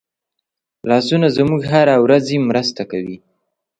لاسونه زموږ هره ورځي مرسته کوي